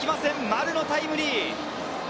丸のタイムリー。